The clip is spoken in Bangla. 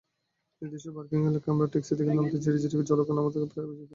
নির্দিষ্ট পার্কিং এলাকায় আমরা ট্যাক্সি থেকে নামতেই ঝিরিঝিরি জলকণা আমাদেরকে প্রায়ই ভিজিয়ে দিল।